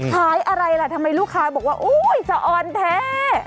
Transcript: อะไรล่ะทำไมลูกค้าบอกว่าอุ๊ยสะออนแท้